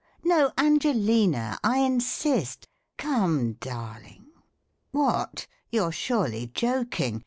No, Angelina, I insist ! Come, darling .... what, you're surely joking?